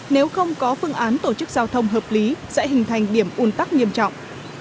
nếu không có phương án tổ chức giao thông hợp lý sẽ hình thành điểm un tắc nghiêm trọng